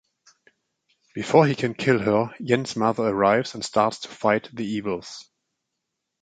Before he can kill her, Yen's mother arrives and starts to fight the evils.